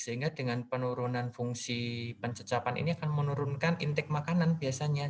sehingga dengan penurunan fungsi pencecapan ini akan menurunkan intake makanan biasanya